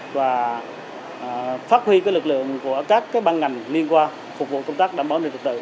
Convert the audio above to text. và phát huy lực lượng của các băng ngành liên quan phục vụ công tác đảm bảo nền lực tự